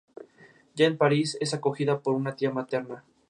Vulnerables debido a la actividad minera y el sobrepastoreo.